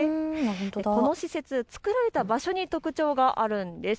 この施設、造られた場所に特徴があるんです。